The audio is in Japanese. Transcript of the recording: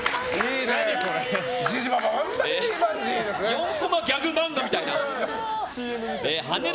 ４コマギャグ漫画みたいな。